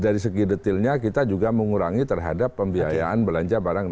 dari segi detailnya kita juga mengurangi terhadap pembiayaan belanja barang